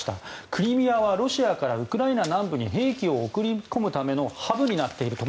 クリミアはロシアからウクライナ南部に兵器を送り込むためのハブになっていると。